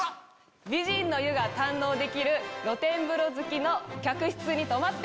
美人の湯が堪能できる露天風呂付きの客室に泊まって。